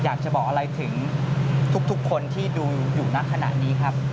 อยากจะบอกอะไรถึงทุกคนที่ดูอยู่ณขณะนี้ครับ